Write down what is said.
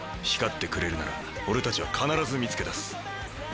光ってくれるなら俺たちは必ず見つけ出す。